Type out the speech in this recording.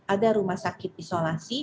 ada rumah sakit isolasi